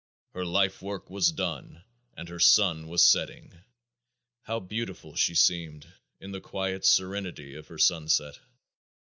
Her life work was done and her sun was setting! How beautiful she seemed in the quiet serenity of her sunset!